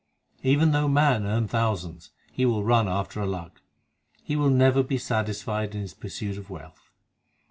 5 Even though man earn thousands, he will run after a lakh; He will never be satisfied in his pursuit of wealth.